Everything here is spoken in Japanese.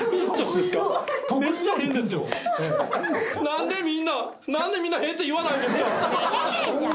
何でみんな何でみんな変って言わないんですか？